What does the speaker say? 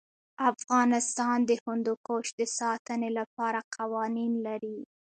افغانستان د هندوکش د ساتنې لپاره قوانین لري.